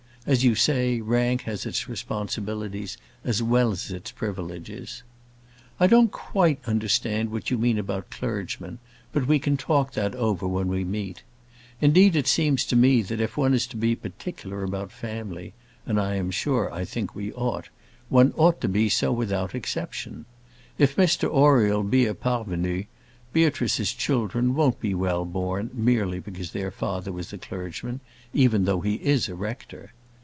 As you say, rank has its responsibilities as well as its privileges. I don't quite understand what you mean about clergymen, but we can talk that over when we meet. Indeed, it seems to me that if one is to be particular about family and I am sure I think we ought one ought to be so without exception. If Mr Oriel be a parvenu, Beatrice's children won't be well born merely because their father was a clergyman, even though he is a rector.